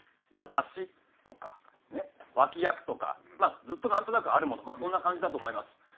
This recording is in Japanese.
まあだしとか脇役とかずっとなんとなくあるものまあそんな感じだと思います。